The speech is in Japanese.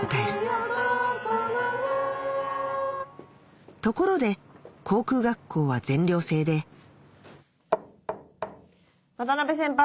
磨けよ心をところで航空学校は全寮制で渡辺先輩